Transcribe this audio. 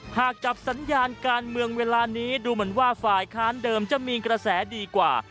หากจับสัญญาณการเมืองเวลานี้ดูเหมือนว่าฝ่ายค้านเดิมจะมีกระแสดีกว่า